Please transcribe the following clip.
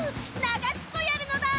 ながしっこやるのだ！